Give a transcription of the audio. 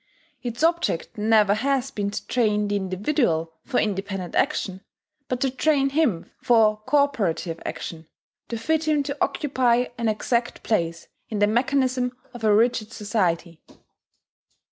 Its object never has been to train the individual for independent action, but to train him for cooperative action, to fit him to occupy an exact place in the mechanism of a rigid society.